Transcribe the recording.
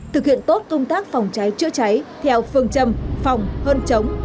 thực hiện tốt công tác phòng cháy chữa cháy theo phương châm phòng hơn chống